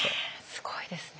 すごいですね。